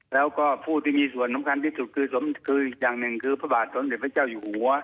แล้วก็ผู้ที่มีส่วนสำคัญที่สุดคืออีกอย่างหนึ่งคือพระบาทสมเด็จพระเจ้าอยู่หัว